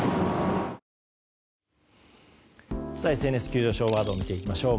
ＳＮＳ急上昇ワードを見ていきましょう。